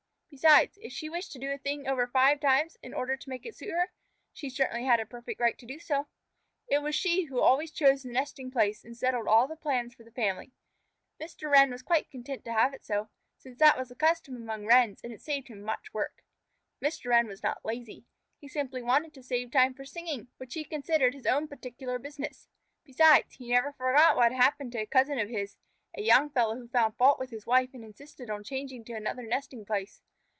Besides, if she wished to do a thing over five times in order to make it suit her, she certainly had a perfect right to do so. It was she who always chose the nesting place and settled all the plans for the family. Mr. Wren was quite content to have it so, since that was the custom among Wrens, and it saved him much work. Mr. Wren was not lazy. He simply wanted to save time for singing, which he considered his own particular business. Besides, he never forgot what had happened to a cousin of his, a young fellow who found fault with his wife and insisted on changing to another nesting place.